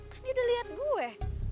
kan dia udah liat gue